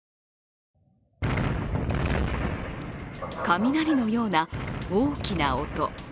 雷のような大きな音。